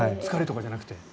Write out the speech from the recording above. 疲れとかじゃなくて。